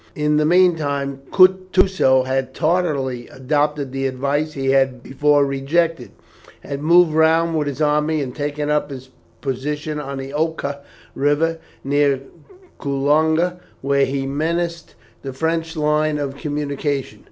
In the meantime Kutusow had tardily adopted the advice he had before rejected, had moved round with his army and taken up his position on the Oka river, near Kulouga, where he menaced the French line of communication.